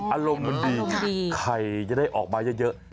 อารมณ์มันดีไข่จะได้ออกมาเยอะ